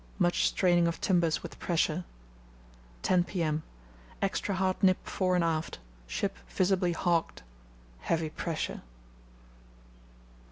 Much straining of timbers with pressure. 10 p.m.—Extra hard nip fore and aft; ship visibly hogged. Heavy pressure.